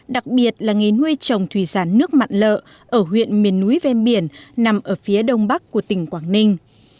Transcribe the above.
đặc biệt là nghề nuôi trồng thủy sản nước mặn lợ ở huyện miền núi ven biển nằm ở phía đông bắc của tỉnh quảng ninh